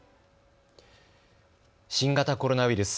新型コロナウイルス。